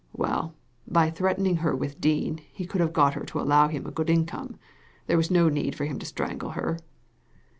"Well, by threatening her with Dean he could have got her to allow him a good income. There was no need for him to strangle her."